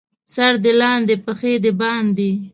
سر دې لاندې، پښې دې باندې.